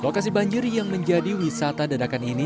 lokasi banjir yang menjadi wisata dadakan ini